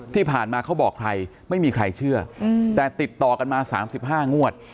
เขาบอกใครไม่มีใครเชื่อแต่ติดต่อกันมา๓๕งวด